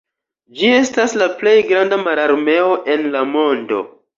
Ĝi estas la plej granda mararmeo en la mondo.